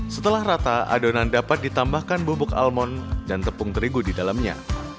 setelah rata adonan dapat ditambahkan bubuk almon dan tepung terigu di dalamnya